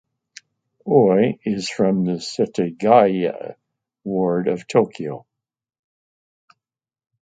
Oi is from the Setagaya ward of Tokyo.